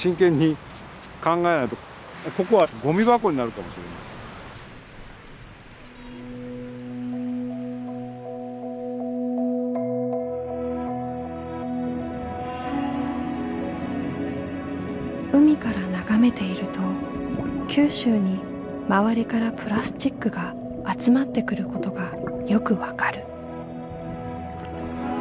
だからそういったところも海から眺めていると九州に周りからプラスチックが集まってくることがよく分かる。